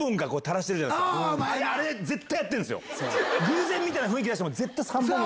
偶然みたいな雰囲気出して。